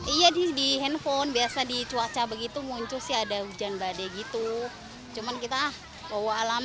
iya di handphone biasa di cuaca begitu muncul sih ada hujan badai gitu cuman kita bawa alam